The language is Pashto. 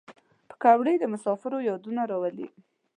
پکورې د مسافرو یادونه راولي